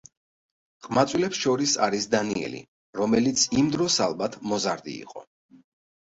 ყმაწვილებს შორის არის დანიელი, რომელიც იმ დროს ალბათ მოზარდი იყო.